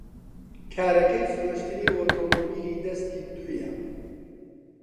کارەکەی فرۆشتنی ئۆتۆمۆبیلی دەستی دوویە.